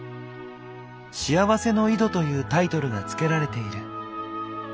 「幸せの井戸」というタイトルが付けられている。